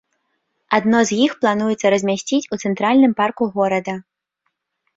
Адно з іх плануецца размясціць у цэнтральным парку горада.